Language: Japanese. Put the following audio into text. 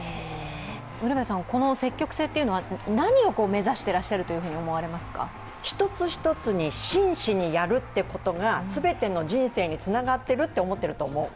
この積極性というのは何を目指していらっしゃると思われますか一つ一つに真摯にやるってことが、全ての人生につながってるって思ってると思う。